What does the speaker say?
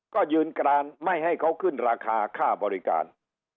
ก็ยืนกรานไม่ให้เขาขึ้นราคาค่าบริการ